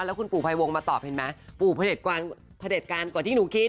แล้วคุณปู่ภัยวงมาตอบเห็นไหมปู่พระเด็จการกว่าที่หนูคิด